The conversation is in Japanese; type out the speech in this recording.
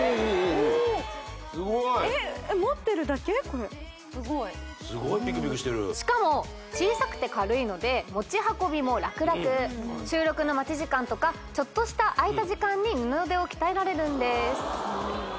これすごいピクピクしてるしかも小さくて軽いので持ち運びもラクラク収録の待ち時間とかちょっとした空いた時間に二の腕を鍛えられるんです